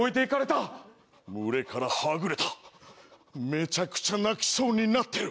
めちゃくちゃ泣きそうになってる。